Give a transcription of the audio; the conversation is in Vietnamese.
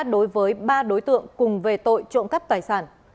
đối với ba đối tượng cùng về tội trộm cắp tài sản